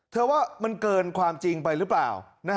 ว่ามันเกินความจริงไปหรือเปล่า